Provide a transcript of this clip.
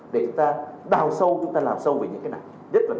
để chúng ta đào sâu làm sâu về những cái này nhất là giá trị thông tin của doanh nghiệp